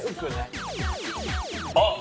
あっ！